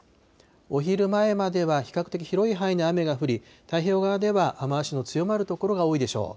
お昼前までは比較的広い範囲で雨が降り、太平洋側では雨足の強まる所が多いでしょう。